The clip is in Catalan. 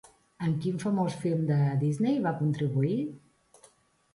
En quin famós film de Disney va contribuir?